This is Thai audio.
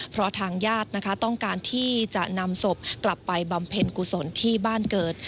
เพราะทางญาตินะคะต้องการที่จะนำศพกลับไปบำเพ็ญกุศลที่บ้านเกิด